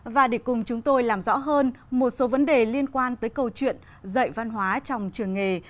và để cùng chúng tôi làm rõ hơn một số vấn đề liên quan tới câu chuyện dạy văn hóa trong trường nghề